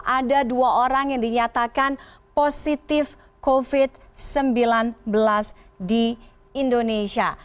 ada dua orang yang dinyatakan positif covid sembilan belas di indonesia